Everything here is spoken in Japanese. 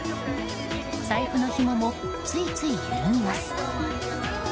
財布のひももついつい緩みます。